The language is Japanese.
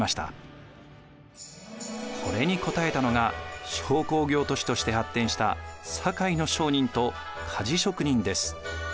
これに応えたのが商工業都市として発展した堺の商人と鍛冶職人です。